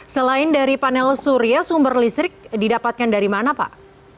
selain dari panel surya sumber listrik didapatkan dari mana pak